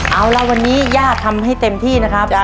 เอาละวันนี้ย่าทำให้เต็มที่นะครับ